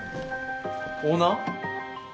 オーナー？